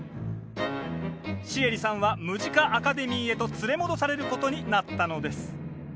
シエリさんはムジカ・アカデミーへと連れ戻されることになったのです。